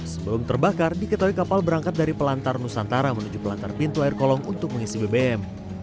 sebelum terbakar diketahui kapal berangkat dari pelantar nusantara menuju pelantar pintu air kolong untuk mengisi bbm